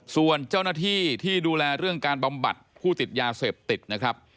ส่วนเจ้าหน้าที่ที่ดูแลเรื่องการบำบัดผู้ติดยาเสพติดนะครับ